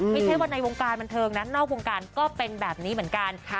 ไม่ใช่ว่าในวงการบันเทิงนะนอกวงการก็เป็นแบบนี้เหมือนกัน